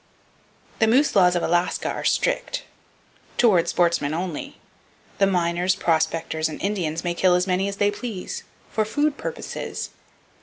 The moose laws of Alaska are strict—toward sportsmen, only! The miners, "prospectors" and Indians may kill as many as they please, "for food purposes."